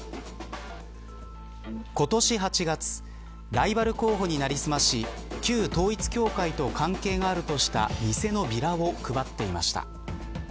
今年８月ライバル候補になりすまし旧統一教会と関係があるとした偽のビラを配っていました。